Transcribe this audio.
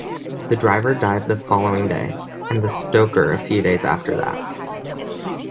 The driver died the following day, and the stoker a few days after that.